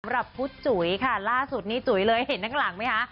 สำหรับผู้จุ๋ยล่าสุดจุ๋ยเลยเห็นทั้งหลังมั้ยคะ